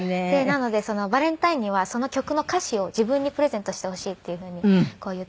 なのでバレンタインにはその曲の歌詞を自分にプレゼントしてほしいっていうふうに言っていて。